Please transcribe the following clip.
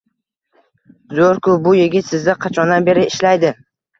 Zoʻr-ku, bu yigit sizda qachondan beri ishlaydi